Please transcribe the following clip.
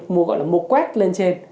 mua gọi là mua quét lên trên